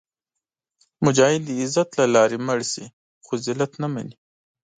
مجاهد د عزت له لارې مړ شي، خو ذلت نه مني.